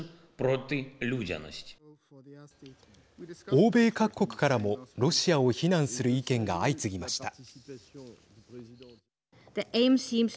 欧米各国からもロシアを非難する意見が相次ぎました。